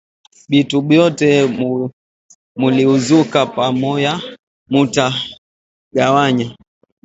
Bitu byote muliuzaka pamoya muta gawanya